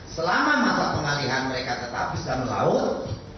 selama mata pengalihan mereka tetap bisa melaut